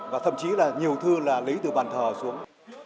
và thậm chí là nhiều thư là lấy từ bản thơ xuống